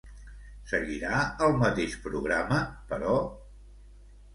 Seguirà el mateix programa, però?